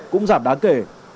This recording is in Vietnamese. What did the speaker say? cũng giảm đáng kể